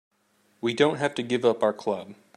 We don't have to give up our club.